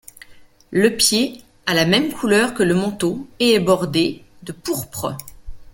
Le pied a la même couleur que le manteau et est bordé de pourpre.